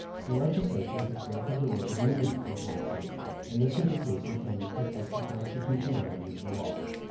The Legislature had granted the road immunity from taxation, and this was a case intended to test the constitutionality of the law.